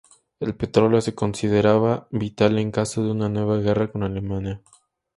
El petróleo se consideraba vital en caso de una nueva guerra con Alemania.